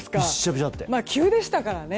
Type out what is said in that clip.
急でしたからね。